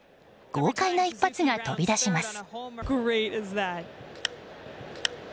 豪快な一発が飛び出します。